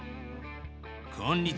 こんにちは。